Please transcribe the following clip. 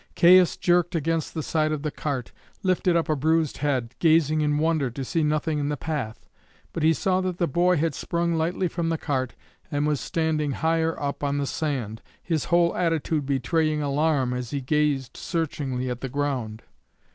Caius, jerked against the side of the cart, lifted up a bruised head, gazing in wonder to see nothing in the path; but he saw that the boy had sprung lightly from the cart, and was standing higher up on the sand, his whole attitude betraying alarm as he gazed searchingly at the ground.